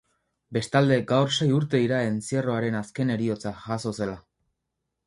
Bestalde, gaur sei urte dira entzierroaren azken heriotza jazo zela.